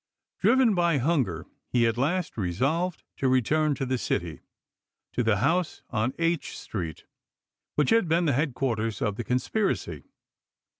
Driven by hun ger he at last resolved to return to the city, to the house on H street which had been the headquarters of the conspiracy.